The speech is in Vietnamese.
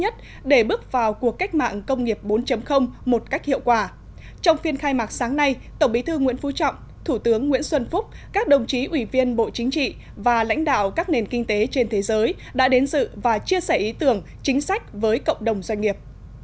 trong phiên khai mạc sáng nay tổng bí thư nguyễn phú trọng thủ tướng nguyễn xuân phúc các đồng chí ủy viên bộ chính trị và lãnh đạo các nền kinh tế trên thế giới đã đến dự và chia sẻ ý tưởng chính sách với cộng đồng doanh nghiệp